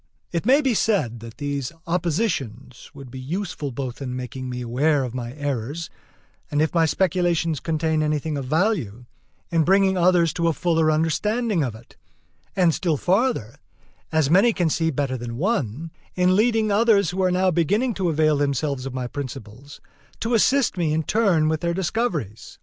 It may be said, that these oppositions would be useful both in making me aware of my errors, and, if my speculations contain anything of value, in bringing others to a fuller understanding of it; and still farther, as many can see better than one, in leading others who are now beginning to avail themselves of my principles, to assist me in turn with their discoveries.